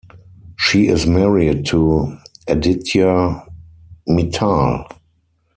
She is married to Aditya Mittal.